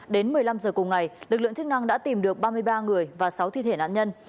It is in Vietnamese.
đến một mươi năm h cùng ngày lực lượng chức năng đã tìm được ba mươi ba người và sáu thi thể nạn nhân